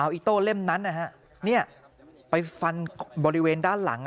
เอาอีโตเล่มนั้นนะฮะเนี่ยไปฟันบริเวณด้านหลังอ่ะ